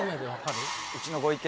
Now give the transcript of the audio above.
うちのご意見